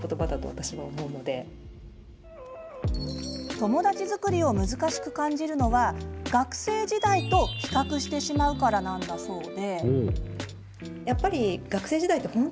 友達作りを難しく感じるのは学生時代と比較してしまうからなんだそうで。